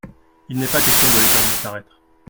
Il n’est pas question de les faire disparaître.